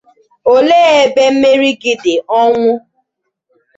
ole ebe mmeri gị dị? Ọnwụ